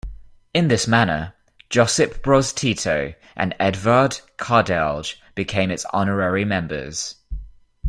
In this manner, Josip Broz - Tito and Edvard Kardelj became its honorary members.